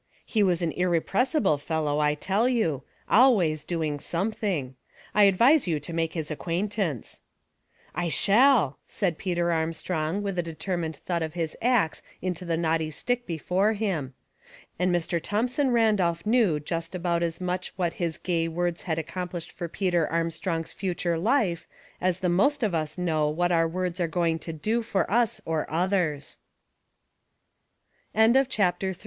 He was an irrepressible fellow, I tell you ; always doing something. I advise you to make his acquaintance." " I shall," said Peter Armstrong, with a de termined thud of his axe into the knotty stick be fore him ; and Mr. Thomson Randolph knew just about as much what his gay words had accomplished for Peter Armstrong's future life as the most of us know what